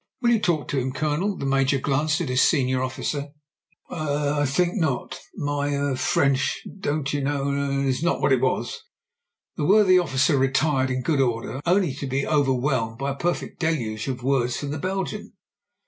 'Will you talk to him, Colonel?" The Major glanced at his senior officer. 134 MEN, WOMEN AND GUNS "Er — I think not ; my — er — ^French, don't you know — er — ^not what it was." The worthy officer retired in good order, only to be overwhelmed by a perfect deluge of words from the Belgian.